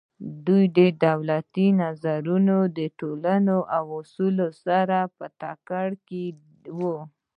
د دوی نظرونه د ټولنې له اصولو سره په ټکر کې وو.